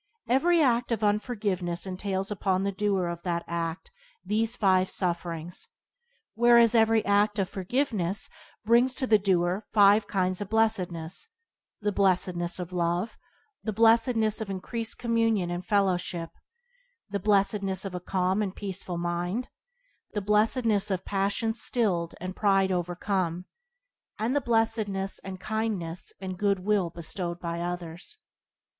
Every act of unforgiveness entails upon the doer of that act these five sufferings; whereas every act of forgiveness brings to the doer five kinds of blessedness — the blessedness of love; the blessedness of increased communion and fellowship; the blessedness of a calm and peaceful mind; the blessedness of passion stilled and pride overcome; and the blessedness and kindness and goodwill bestowed by others.